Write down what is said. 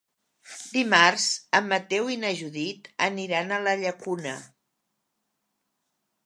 Dimarts en Mateu i na Judit aniran a la Llacuna.